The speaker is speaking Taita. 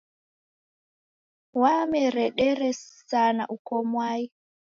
Wameredere sana uko mwai.